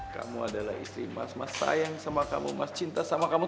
kamu adalah istri mas mas sayang sama kamu mas cinta sama kamu